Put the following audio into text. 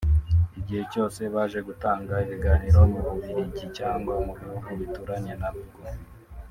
igihe cyose baje gutanga ibiganiro mu Bubiligi cyangwa mu bihugu bituranye na bwo